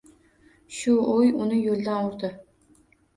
Shu o`y uni yo`ldan urdi